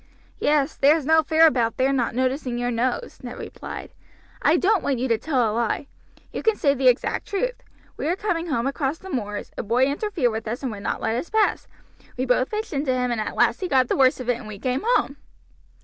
"Yes, there's no fear about their not noticing your nose," Ned replied. "I don't want you to tell a lie. You can say the exact truth. We were coming home across the moors; a boy interfered with us, and would not let us pass; we both pitched into him, and at last he got the worst of it, and we came home."